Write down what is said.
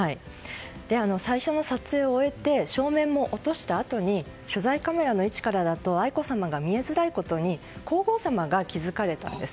最初の撮影を終えて照明も落としたあとに取材カメラの位置からだと愛子さまが見えづらいことに皇后さまが気付かれたんです。